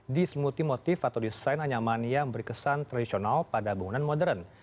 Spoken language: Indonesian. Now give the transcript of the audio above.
di semuti motif atau desain anyaman yang berkesan tradisional pada bangunan modern